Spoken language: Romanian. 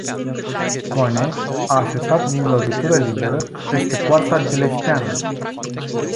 Kone a șutat din lovitură liberă peste poarta giuleșteană.